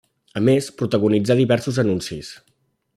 A més protagonitzà diversos anuncis.